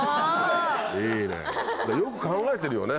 いいねよく考えてるよね。